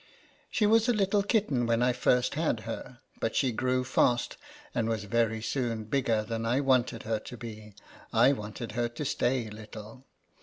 She was a little kitten when I first had her ; but she grew fast, and was very soon bigger than I wanted her to be. I wanted her to stay little.